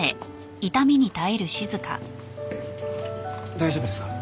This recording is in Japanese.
大丈夫ですか？